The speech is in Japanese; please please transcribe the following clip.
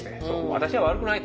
私は悪くないと。